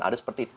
ada seperti itu